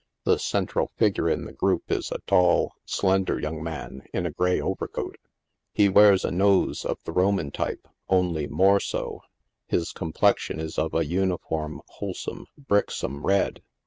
The central figure in the group is a tall, slender young man, in a grey overcoat. He wears a nose of the Roman type, only more so. His complexion is of a uniform, wholesome, bricksome red.